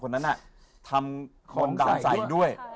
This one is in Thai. คนนั้นน่ะทำโดนวดาร์ใสด้วย